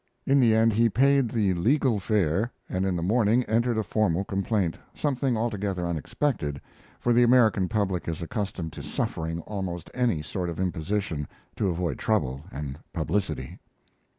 In the end he paid the legal fare, and in the morning entered a formal complaint, something altogether unexpected, for the American public is accustomed to suffering almost any sort of imposition to avoid trouble and publicity.